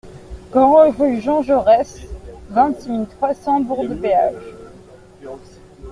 Grand'Rue Jean Jaurès, vingt-six mille trois cents Bourg-de-Péage